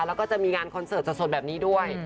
แล้วก็จะมีงานคอนเสิร์ตสดแบบนี้ด้วย